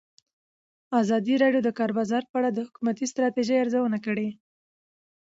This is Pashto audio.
ازادي راډیو د د کار بازار په اړه د حکومتي ستراتیژۍ ارزونه کړې.